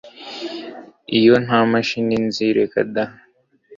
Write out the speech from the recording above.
iyo ntamashini nzi rekada